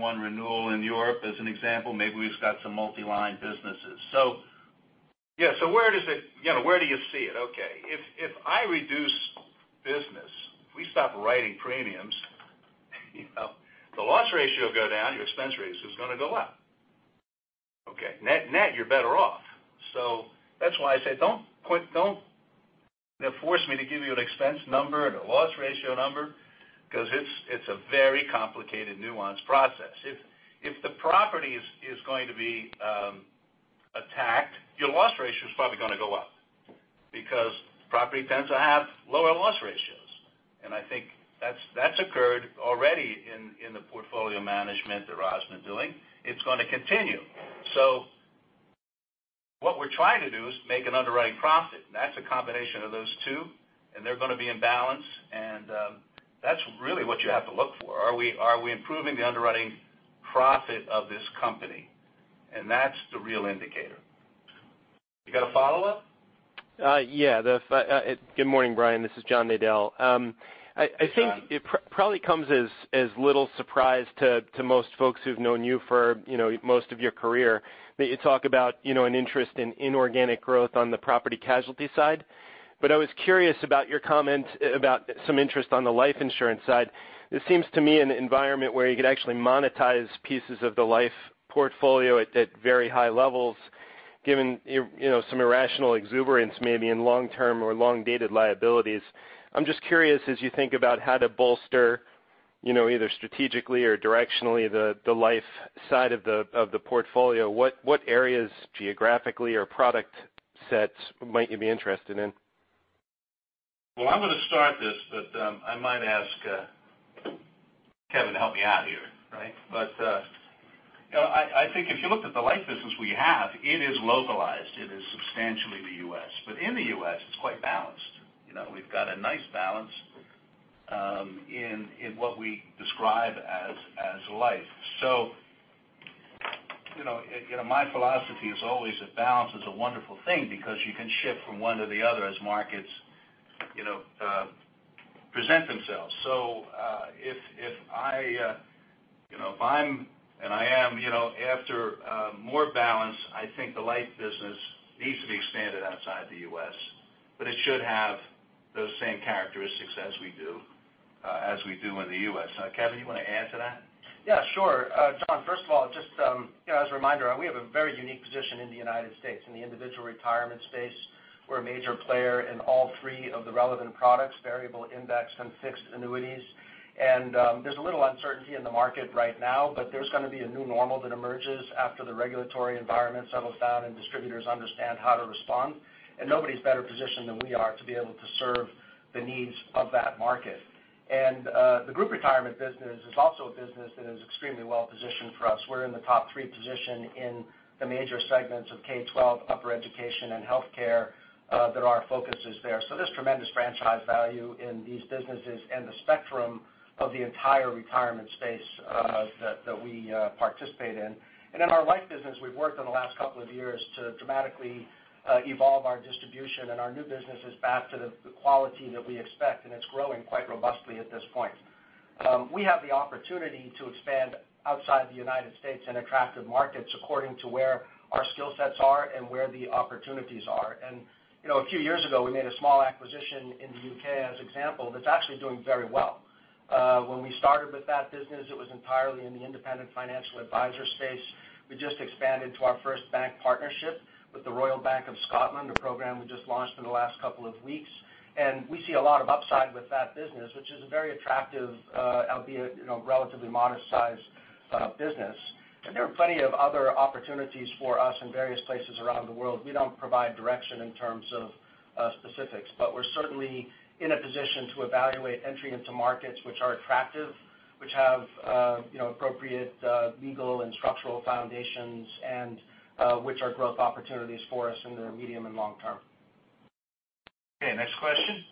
S3: one renewal in Europe as an example. Maybe we've got some multi-line businesses. Where do you see it? Okay. If I reduce business, if we stop writing premiums, the loss ratio will go down, your expense ratio is going to go up. Okay. Net, you're better off. That's why I said don't force me to give you an expense number and a loss ratio number because it's a very complicated, nuanced process. If the property is going to be attacked, your loss ratio is probably going to go up because property tends to have lower loss ratios. I think that's occurred already in the portfolio management that Rob has been doing. It's going to continue. What we're trying to do is make an underwriting profit. That's a combination of those two, they're going to be in balance. That's really what you have to look for. Are we improving the underwriting profit of this company? That's the real indicator. You got a follow-up?
S9: Yeah. Good morning, Brian. This is John Nadel.
S3: Hey, John.
S9: I think it probably comes as little surprise to most folks who've known you for most of your career that you talk about an interest in inorganic growth on the property casualty side. I was curious about your comment about some interest on the life insurance side. This seems to me an environment where you could actually monetize pieces of the life portfolio at very high levels, given some irrational exuberance, maybe in long-term or long-dated liabilities. I'm just curious, as you think about how to bolster either strategically or directionally, the life side of the portfolio, what areas geographically or product sets might you be interested in?
S3: Well, I'm going to start this, but I might ask Kevin to help me out here. I think if you looked at the life business we have, it is localized. It is substantially the U.S. But in the U.S., it's quite balanced. We've got a nice balance in what we describe as life. My philosophy is always that balance is a wonderful thing because you can shift from one to the other as markets present themselves. If I'm, and I am, after more balance, I think the life business needs to be expanded outside the U.S., but it should have those same characteristics as we do in the U.S. Kevin, you want to add to that?
S6: Yeah, sure. John, first of all, just as a reminder, we have a very unique position in the United States in the individual retirement space. We're a major player in all three of the relevant products, variable index and fixed annuities. There's a little uncertainty in the market right now, but there's going to be a new normal that emerges after the regulatory environment settles down and distributors understand how to respond. Nobody's better positioned than we are to be able to serve the needs of that market. The group retirement business is also a business that is extremely well-positioned for us. We're in the top three position in the major segments of K-12 upper education and healthcare that our focus is there. There's tremendous franchise value in these businesses and the spectrum of the entire retirement space that we participate in. In our life business, we've worked in the last couple of years to dramatically evolve our distribution and our new businesses back to the quality that we expect, and it's growing quite robustly at this point. We have the opportunity to expand outside the U.S. in attractive markets according to where our skill sets are and where the opportunities are. A few years ago, we made a small acquisition in the U.K. as example, that's actually doing very well. When we started with that business, it was entirely in the independent financial advisor space. We just expanded to our first bank partnership with The Royal Bank of Scotland, a program we just launched in the last couple of weeks. We see a lot of upside with that business, which is a very attractive, albeit relatively modest-sized business. There are plenty of other opportunities for us in various places around the world. We don't provide direction in terms of specifics, but we're certainly in a position to evaluate entry into markets which are attractive, which have appropriate legal and structural foundations, and which are growth opportunities for us in the medium and long term.
S3: Okay, next question.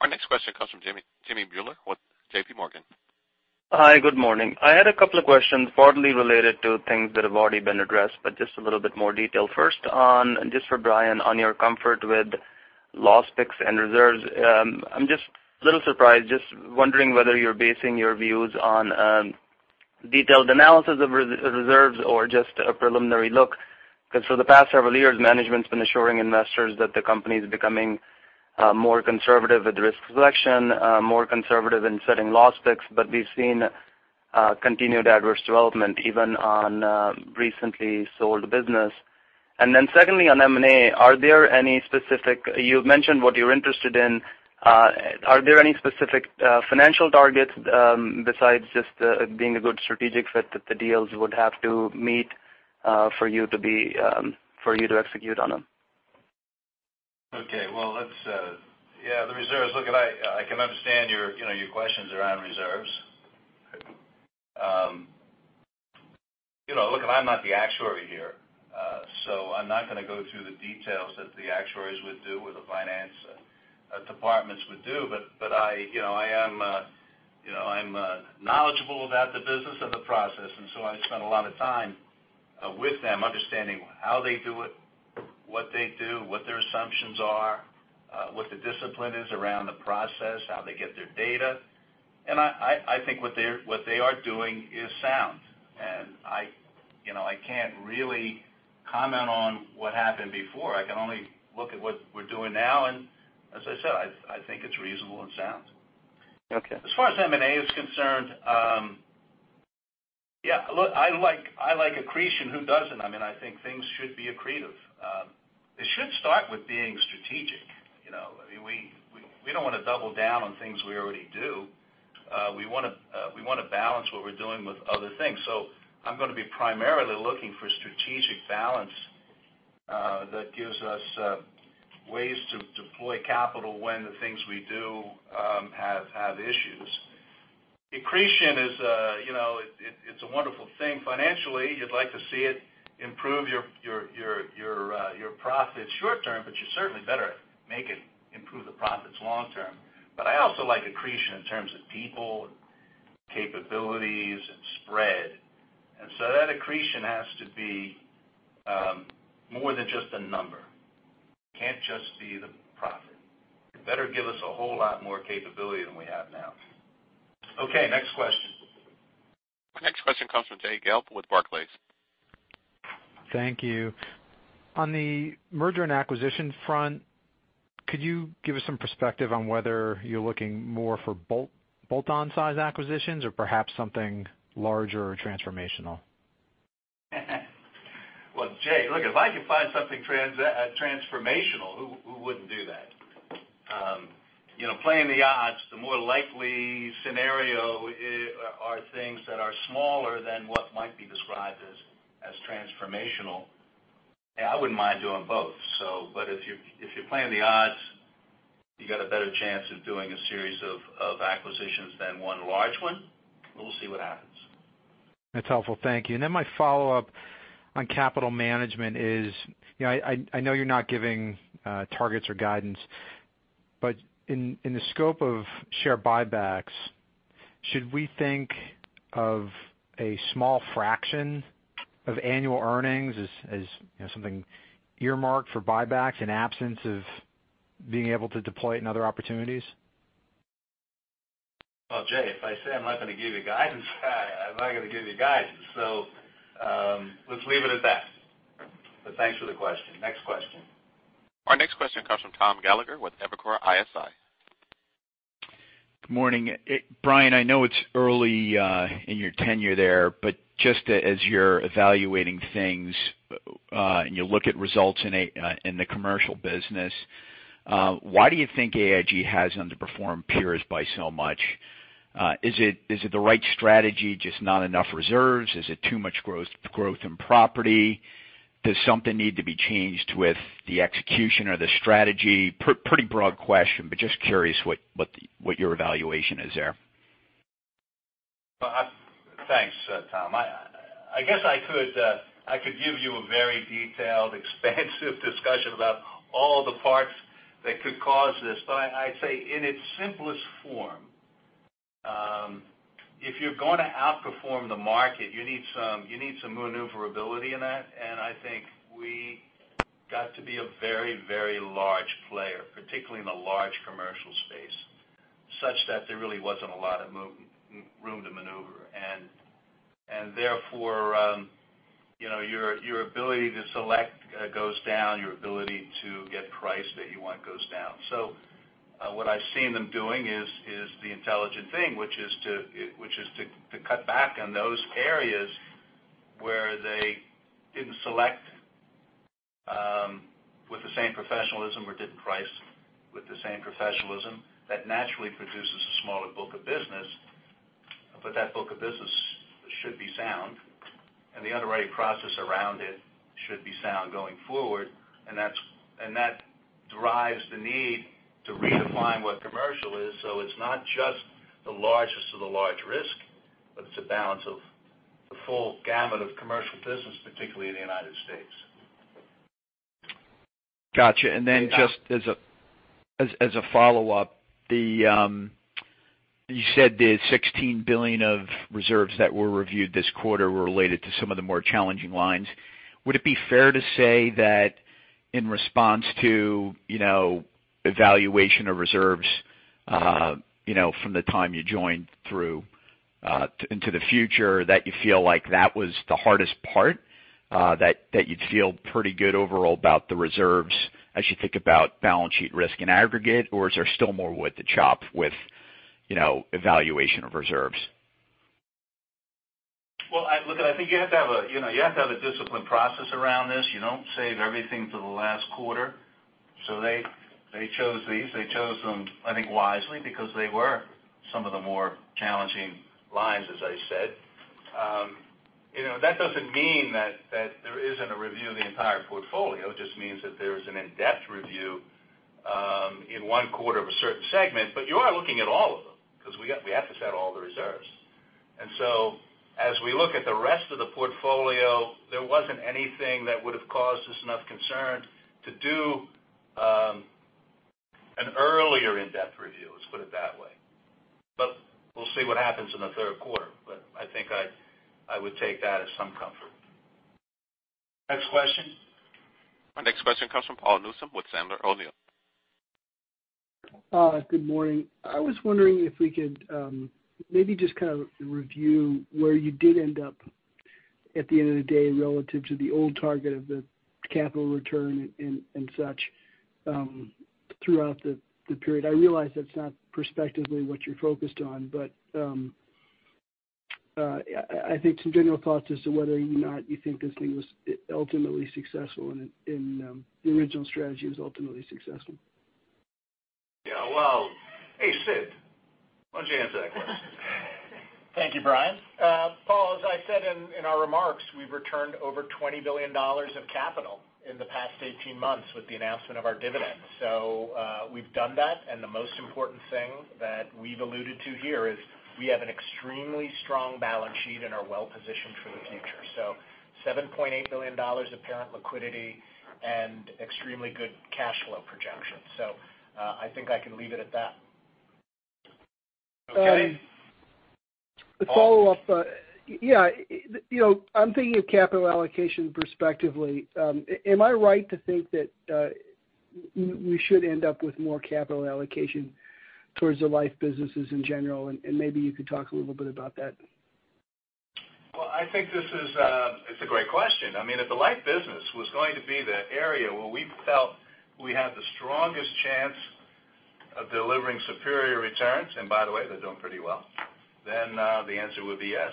S1: Our next question comes from Jimmy Mueller with JPMorgan.
S10: Hi, good morning. I had a couple of questions partly related to things that have already been addressed, but just a little bit more detail. First on, just for Brian, on your comfort with loss picks and reserves. I'm just a little surprised, just wondering whether you're basing your views on detailed analysis of reserves or just a preliminary look, because for the past several years, management's been assuring investors that the company is becoming more conservative with risk selection, more conservative in setting loss picks. We've seen continued adverse development even on recently sold business. Secondly, on M&A, you've mentioned what you're interested in. Are there any specific financial targets besides just being a good strategic fit that the deals would have to meet for you to execute on them?
S3: Okay. Well, the reserves. Look, I can understand your questions around reserves. Look, I'm not the actuary here, so I'm not going to go through the details that the actuaries would do or the finance departments would do. I'm knowledgeable about the business and the process, I spend a lot of time with them understanding how they do it, what they do, what their assumptions are, what the discipline is around the process, how they get their data. I think what they are doing is sound. I can't really comment on what happened before. I can only look at what we're doing now. As I said, I think it's reasonable and sound.
S10: Okay.
S3: As far as M&A is concerned, I like accretion. Who doesn't? I think things should be accretive. It should start with being strategic. We don't want to double down on things we already do. We want to balance what we're doing with other things. I'm going to be primarily looking for strategic balance that gives us ways to deploy capital when the things we do have issues. Accretion, it's a wonderful thing financially. You'd like to see it improve your profits short term, but you certainly better make it improve the profits long term. I also like accretion in terms of people and capabilities and spread. That accretion has to be more than just a number. It can't just be the profit. It better give us a whole lot more capability than we have now. Okay, next question.
S1: Our next question comes from Jay Gelb with Barclays.
S11: Thank you. On the merger and acquisition front, could you give us some perspective on whether you're looking more for bolt-on size acquisitions or perhaps something larger or transformational?
S3: Well, Jay, look, if I could find something transformational, who wouldn't do that? Playing the odds, the more likely scenario are things that are smaller than what might be described as transformational. I wouldn't mind doing both. If you're playing the odds, you got a better chance of doing a series of acquisitions than one large one. We'll see what happens.
S11: That's helpful. Thank you. My follow-up on capital management is, I know you're not giving targets or guidance, but in the scope of share buybacks, should we think of a small fraction of annual earnings as something earmarked for buybacks in absence of being able to deploy it in other opportunities?
S3: Well, Jay, if I say I'm not going to give you guidance, I'm not going to give you guidance. Let's leave it at that. Thanks for the question. Next question.
S1: Our next question comes from Thomas Gallagher with Evercore ISI.
S12: Good morning. Brian, I know it's early in your tenure there, but just as you're evaluating things, and you look at results in the commercial business, why do you think AIG has underperformed peers by so much? Is it the right strategy, just not enough reserves? Is it too much growth in property? Does something need to be changed with the execution or the strategy? Pretty broad question, but just curious what your evaluation is there.
S3: Thanks, Tom. I guess I could give you a very detailed, expansive discussion about all the parts that could cause this, but I'd say in its simplest form, if you're going to outperform the market, you need some maneuverability in that. I think we got to be a very large player, particularly in the large commercial space, such that there really wasn't a lot of room to maneuver. Therefore, your ability to select goes down, your ability to get price that you want goes down. What I've seen them doing is the intelligent thing, which is to cut back on those areas where they didn't select with the same professionalism or didn't price with the same professionalism. That naturally produces a smaller book of business. That book of business should be sound, and the underwriting process around it should be sound going forward, and that drives the need to redefine what commercial is, so it's not just the largest of the large risk, but it's a balance of the full gamut of commercial business, particularly in the U.S.
S12: Got you. Just as a follow-up, you said the $16 billion of reserves that were reviewed this quarter were related to some of the more challenging lines. Would it be fair to say that in response to evaluation of reserves from the time you joined through into the future, that you feel like that was the hardest part, that you'd feel pretty good overall about the reserves as you think about balance sheet risk in aggregate, or is there still more wood to chop with evaluation of reserves?
S3: Well, look, I think you have to have a disciplined process around this. You don't save everything for the last quarter. They chose these. They chose them, I think, wisely, because they were some of the more challenging lines, as I said. That doesn't mean that there isn't a review of the entire portfolio. It just means that there's an in-depth review in one quarter of a certain segment. You are looking at all of them because we have to set all the reserves. As we look at the rest of the portfolio, there wasn't anything that would have caused us enough concern to do an earlier in-depth review, let's put it that way. We'll see what happens in the third quarter. I think I would take that as some comfort. Next question.
S1: Our next question comes from Paul Newsome with Sandler O'Neill.
S13: Good morning. I was wondering if we could maybe just kind of review where you did end up at the end of the day relative to the old target of the capital return and such throughout the period. I realize that's not perspectively what you're focused on, but I think some general thoughts as to whether or not you think this thing was ultimately successful and the original strategy was ultimately successful.
S3: Yeah. Well, hey, Sid, why don't you answer that question?
S4: Thank you, Brian. Paul, as I said in our remarks, we've returned over $20 billion of capital in the past 18 months with the announcement of our dividend. We've done that, the most important thing that we've alluded to here is we have an extremely strong balance sheet and are well-positioned for the future. $7.8 billion of parent liquidity and extremely good cash flow projections. I think I can leave it at that.
S3: Okay.
S13: A follow-up. I'm thinking of capital allocation perspectively. Am I right to think that we should end up with more capital allocation towards the life businesses in general? Maybe you could talk a little bit about that.
S3: Well, I think it's a great question. If the life business was going to be the area where we felt we had the strongest chance, Delivering superior returns, by the way, they're doing pretty well, then the answer would be yes.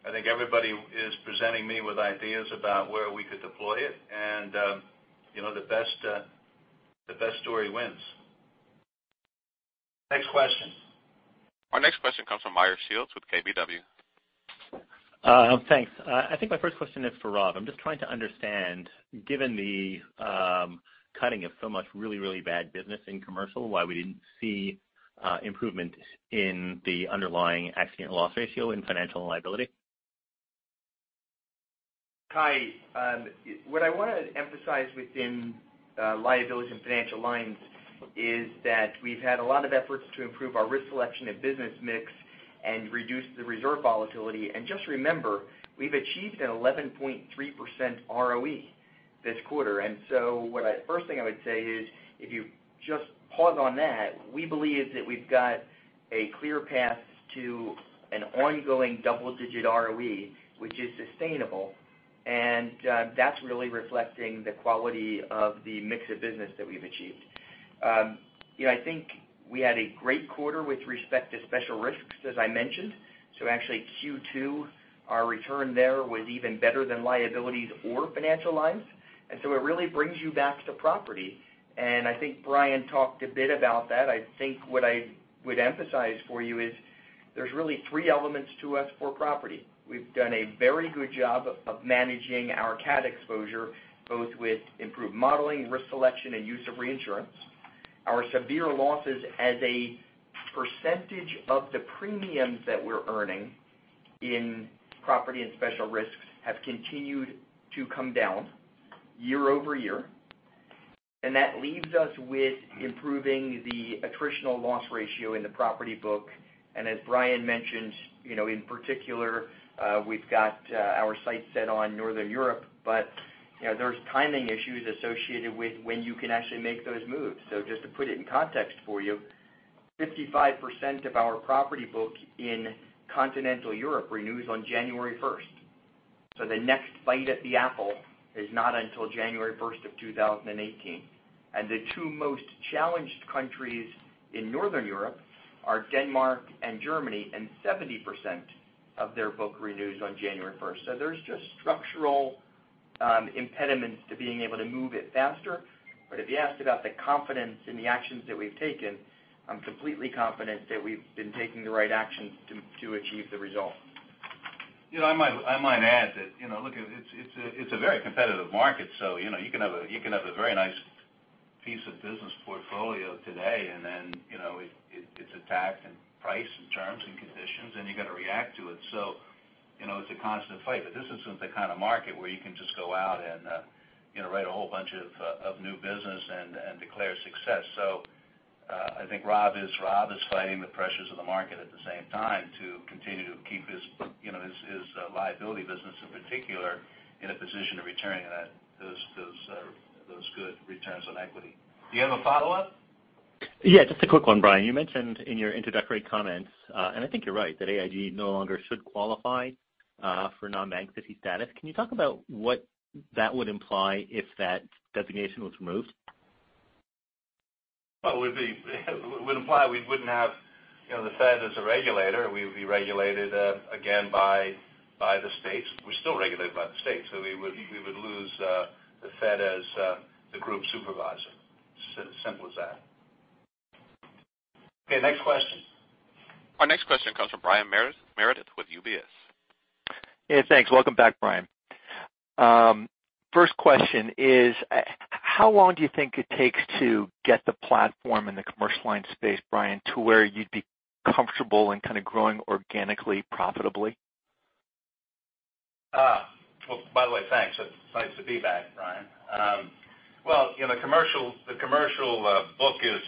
S3: I think everybody is presenting me with ideas about where we could deploy it and the best story wins. Next question.
S1: Our next question comes from Meyer Shields with KBW.
S14: Thanks. I think my first question is for Rob. I'm just trying to understand, given the cutting of so much really bad business in commercial, why we didn't see improvement in the underlying accident loss ratio in financial liability?
S5: Hi. What I want to emphasize within liabilities and financial lines is that we've had a lot of efforts to improve our risk selection and business mix and reduce the reserve volatility. Just remember, we've achieved an 11.3% ROE this quarter. The first thing I would say is, if you just pause on that, we believe that we've got a clear path to an ongoing double-digit ROE, which is sustainable, and that's really reflecting the quality of the mix of business that we've achieved. I think we had a great quarter with respect to special risks, as I mentioned. Actually Q2, our return there was even better than liabilities or financial lines. It really brings you back to property, and I think Brian talked a bit about that. I think what I would emphasize for you is there's really three elements to us for property. We've done a very good job of managing our cat exposure, both with improved modeling, risk selection, and use of reinsurance. Our severe losses as a percentage of the premiums that we're earning in property and special risks have continued to come down year-over-year, and that leaves us with improving the attritional loss ratio in the property book, and as Brian mentioned, in particular, we've got our sights set on Northern Europe, but there's timing issues associated with when you can actually make those moves. Just to put it in context for you, 55% of our property book in Continental Europe renews on January 1st. The next bite at the apple is not until January 1st, 2018. The two most challenged countries in Northern Europe are Denmark and Germany, 70% of their book renews on January 1st. There's just structural impediments to being able to move it faster. If you asked about the confidence in the actions that we've taken, I'm completely confident that we've been taking the right actions to achieve the result.
S3: I might add that it's a very competitive market, you can have a very nice piece of business portfolio today and then it's attacked in price and terms and conditions, and you've got to react to it. It's a constant fight. This isn't the kind of market where you can just go out and write a whole bunch of new business and declare success. I think Rob is fighting the pressures of the market at the same time to continue to keep his liability business in particular in a position of returning those good returns on equity. Do you have a follow-up?
S14: Yeah, just a quick one, Brian. You mentioned in your introductory comments, and I think you're right, that AIG no longer should qualify for non-bank SIFI status. Can you talk about what that would imply if that designation was removed?
S3: Well, it would imply we wouldn't have the Fed as a regulator. We would be regulated again by the states. We're still regulated by the states, we would lose the Fed as the group supervisor. Simple as that. Okay, next question.
S1: Our next question comes from Brian Meredith with UBS.
S15: Yeah, thanks. Welcome back, Brian. First question is, how long do you think it takes to get the platform in the commercial line space, Brian, to where you'd be comfortable and kind of growing organically profitably?
S3: Well, by the way, thanks. It's nice to be back, Brian. Well, the commercial book is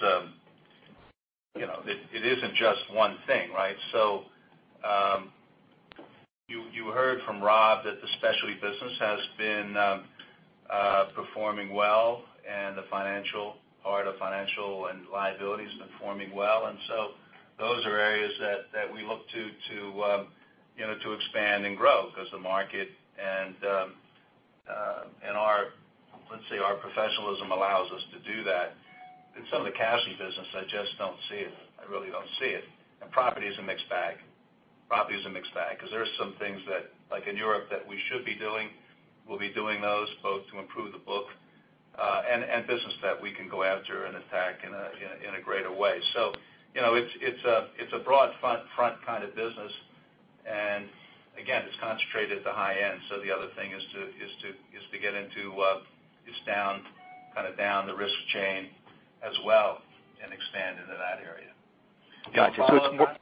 S3: it isn't just one thing, right? You heard from Rob that the specialty business has been performing well and the financial part of financial and liability's been performing well, those are areas that we look to expand and grow because the market and our professionalism allows us to do that. In some of the casualty business, I just don't see it. I really don't see it. Property is a mixed bag. Property is a mixed bag because there are some things that, like in Europe, that we should be doing. We'll be doing those both to improve the book and business that we can go after and attack in a greater way. It's a broad front kind of business, and again, it's concentrated at the high end. The other thing is to get into is kind of down the risk chain as well and expand into that area. Do you want to follow on that?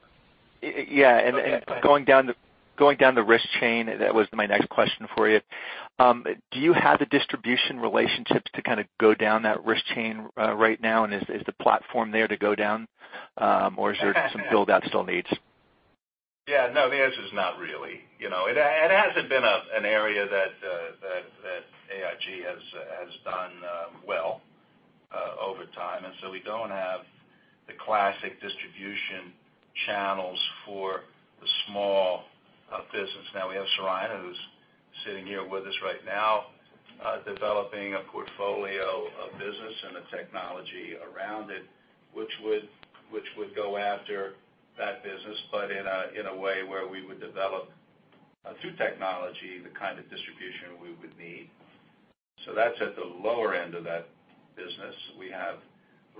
S15: Yeah.
S3: Okay, go ahead.
S15: Going down the risk chain, that was my next question for you. Do you have the distribution relationships to kind of go down that risk chain right now? Is the platform there to go down, or is there some build out still needs?
S3: Yeah, no, the answer is not really. It hasn't been an area that AIG has done well over time, and so we don't. The classic distribution channels for the small business. Now we have Seraina, who's sitting here with us right now, developing a portfolio of business and the technology around it, which would go after that business, but in a way where we would develop through technology, the kind of distribution we would need. That's at the lower end of that business. We have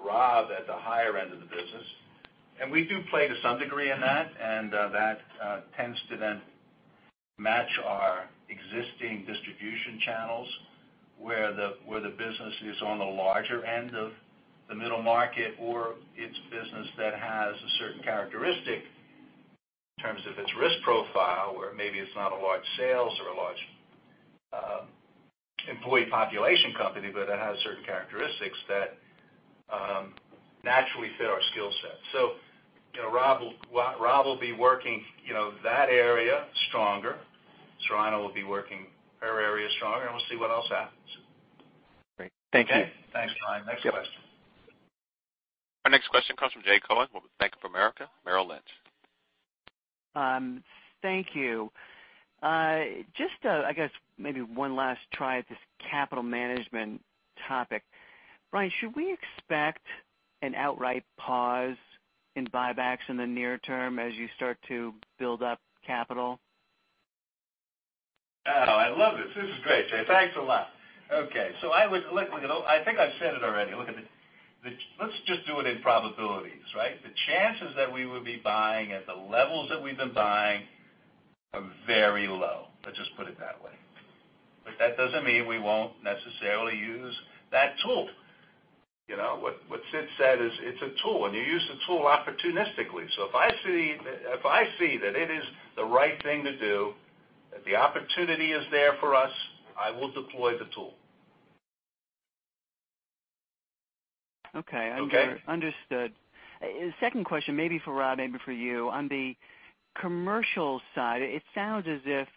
S3: Rob at the higher end of the business, and we do play to some degree in that, and that tends to then match our existing distribution channels where the business is on the larger end of the middle market or it's a business that has a certain characteristic in terms of its risk profile, where maybe it's not a large sales or a large employee population company, but it has certain characteristics that naturally fit our skill set. Rob will be working that area stronger. Seraina will be working her area stronger, and we'll see what else happens.
S15: Great. Thank you.
S3: Okay. Thanks, Brian. Next question.
S1: Our next question comes from Jay Cohen with Bank of America Merrill Lynch.
S16: Thank you. Just, I guess maybe one last try at this capital management topic. Brian, should we expect an outright pause in buybacks in the near term as you start to build up capital?
S3: Oh, I love this. This is great, Jay. Thanks a lot. Okay. I think I've said it already. Let's just do it in probabilities, right? The chances that we would be buying at the levels that we've been buying are very low. Let's just put it that way. That doesn't mean we won't necessarily use that tool. What Sid said is it's a tool, and you use the tool opportunistically. If I see that it is the right thing to do, that the opportunity is there for us, I will deploy the tool.
S16: Okay.
S3: Okay.
S16: Understood. Second question, maybe for Rob, maybe for you. On the commercial side, it sounds as if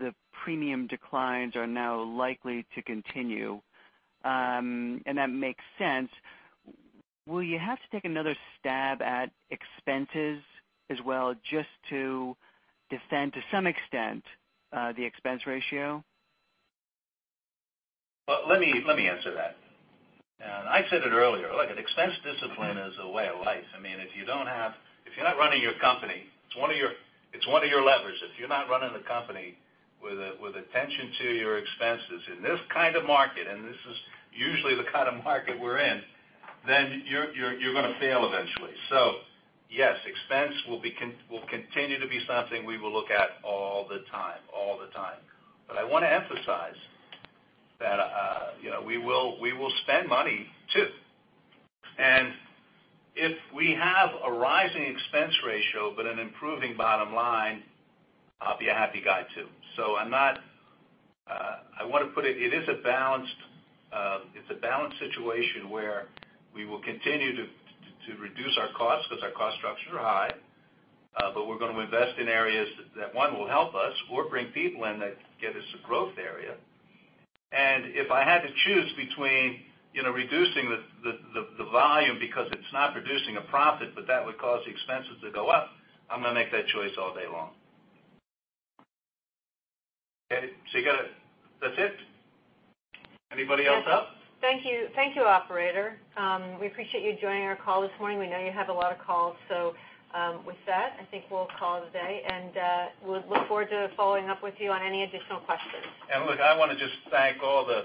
S16: the premium declines are now likely to continue. That makes sense. Will you have to take another stab at expenses as well just to defend, to some extent, the expense ratio?
S3: Let me answer that. I said it earlier, look, expense discipline is a way of life. If you're not running your company, it's one of your levers. If you're not running the company with attention to your expenses in this kind of market, and this is usually the kind of market we're in, you're going to fail eventually. Yes, expense will continue to be something we will look at all the time. All the time. I want to emphasize that we will spend money too. If we have a rising expense ratio but an improving bottom line, I'll be a happy guy too. I want to put it is a balanced situation where we will continue to reduce our costs because our cost structures are high. We're going to invest in areas that, one, will help us or bring people in that get us a growth area. If I had to choose between reducing the volume because it's not producing a profit, but that would cause the expenses to go up, I'm going to make that choice all day long. That's it? Anybody else up?
S2: Thank you, operator. We appreciate you joining our call this morning. We know you have a lot of calls. With that, I think we'll call it a day, and we'll look forward to following up with you on any additional questions.
S3: Look, I want to just thank all the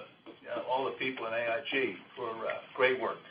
S3: people at AIG for great work.